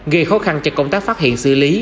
gây khó khăn cho công tác phát hiện xử lý